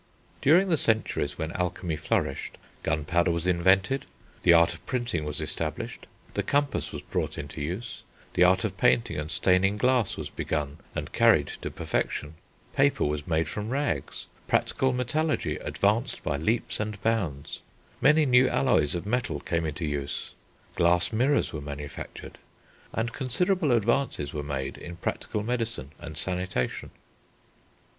During the centuries when alchemy flourished, gunpowder was invented, the art of printing was established, the compass was brought into use, the art of painting and staining glass was begun and carried to perfection, paper was made from rags, practical metallurgy advanced by leaps and bounds, many new alloys of metals came into use, glass mirrors were manufactured, and considerable advances were made in practical medicine and sanitation. [Illustration: FIG. XI. _See p. 92.